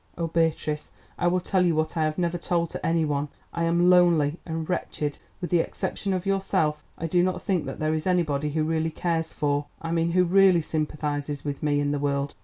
Oh, Beatrice, I will tell you what I have never told to any one. I am lonely and wretched. With the exception of yourself, I do not think that there is anybody who really cares for—I mean who really sympathises with me in the world.